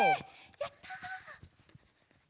やった！